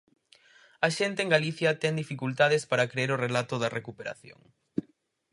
A xente en Galicia ten dificultades para crer o relato da recuperación.